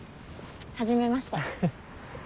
はじめまして。